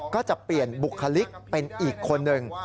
ก็จะเปลี่ยนบุคลิกเป็นอีกคนหนึ่ง